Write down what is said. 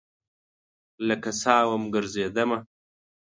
لکه سا وم ګرزیدمه